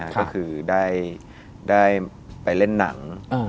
ก็คือได้ไปเล่นหนัง